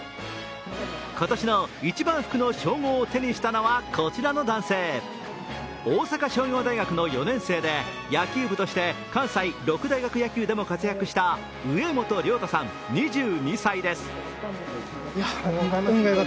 今年の一番福の称号を手にしたのは大阪商業大学の４年生で野球部として関西六大学野球でも活躍した植本亮太さん２２歳です。